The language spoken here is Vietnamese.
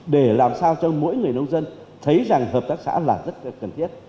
để làm sao cho mỗi người nông dân thấy rằng hợp tác xã là rất cần thiết